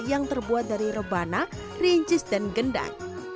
yang terbuat dari rebana rincis dan gendang